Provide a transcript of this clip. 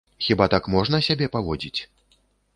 Хіба так можна сябе паводзіць?